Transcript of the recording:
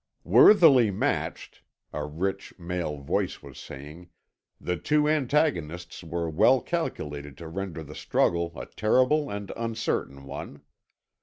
"Worthily matched," a rich male voice was saying; "the two antagonists were well calculated to render the struggle a terrible and uncertain one.